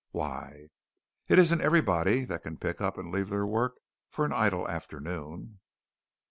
"Why?" "It isn't everybody that can pick up and leave their work for an idle afternoon."